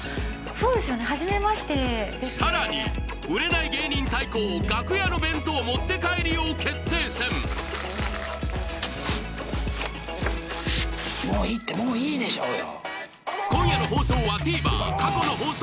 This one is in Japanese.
そうですよね初めましてですねさらに売れない芸人対抗楽屋の弁当持って帰り王決定戦もういいってもういいでしょうよ